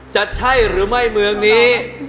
จะใช่หรือไม่เมืองนี้